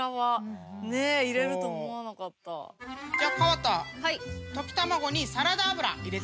じゃあ川田溶き卵にサラダ油入れてくれ。